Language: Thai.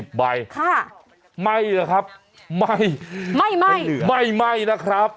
ค่ะไม่เหรอครับไม่เป็นเหลือไม่นะครับ